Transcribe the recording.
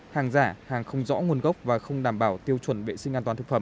hàng giả hàng không rõ nguồn gốc và không đảm bảo tiêu chuẩn vệ sinh an toàn thực phẩm